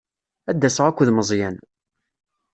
Ad d-aseɣ akked Meẓyan.